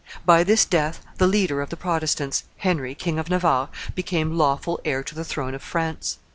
By this death the leader of the Protestants, Henry, King of Navarre, became lawful heir to the throne of France.